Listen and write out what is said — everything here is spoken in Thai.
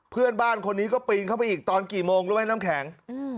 เพื่อนบ้านคนนี้ก็ปีนเข้าไปอีกตอนกี่โมงรู้ไหมน้ำแข็ง